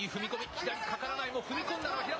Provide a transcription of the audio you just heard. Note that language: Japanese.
左かからないものの、踏み込んだのは。